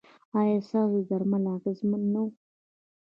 ایا ستاسو درمل اغیزمن نه وو؟